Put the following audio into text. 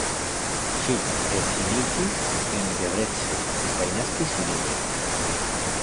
Ŝi edziniĝis en Debrecen kaj naskis filinon.